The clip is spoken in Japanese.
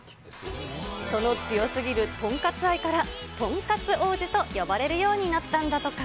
その強すぎるとんかつ愛からとんかつ王子と呼ばれるようになったんだとか。